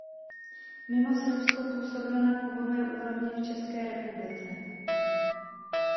Mimo Srbsko působil na klubové úrovni v České republice.